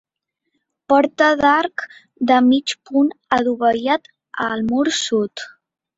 Porta d'arc de mig punt adovellat, al mur sud.